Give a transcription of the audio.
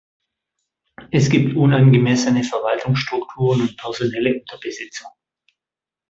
Es gibt unangemessene Verwaltungsstrukturen und personelle Unterbesetzung.